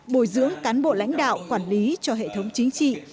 bồi dưỡng cán bộ lãnh đạo quản lý cho hệ thống chính trị